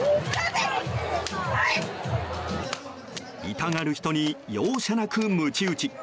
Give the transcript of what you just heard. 痛がる人に容赦なくむち打ち。